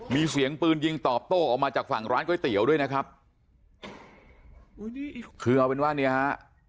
มีเสียงปืนยิงตอบโต้ออกมาจากฝั่งร้านก๋วยเตี๋ยวด้วยนะครับคือเอาเป็นว่าเนี่ยฮะ